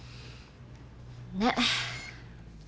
ねっ。